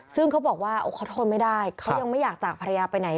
ซึ่งเขาบอกว่าเขาทนไม่ได้เขายังไม่อยากจากภรรยาไปไหน